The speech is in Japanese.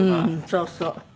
そうそう。